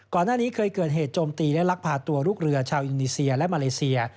ก่อนหน้านี้เคยเกิดเหตุโจมตีและลักพาตัวลูกเรือชาวอินโดนีเซียและมาเลเซีย